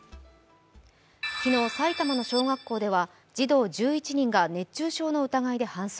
昨日、埼玉の小学校では児童１１人が熱中症の疑いで搬送。